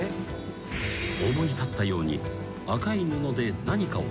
［思い立ったように赤い］